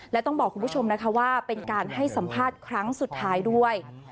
และต้องบอกคุณผู้ชมนะคะว่าเป็นการให้สัมภาษณ์ครั้งสุดท้ายด้วย